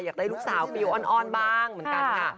อยากได้ลูกสาวฟิลอ้อนบ้างเหมือนกันค่ะ